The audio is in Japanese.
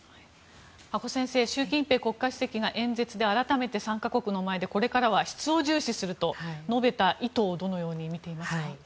阿古先生習近平国家主席が演説で改めて参加国の前でこれからは質を重視すると述べた意図をどのように見ていますか。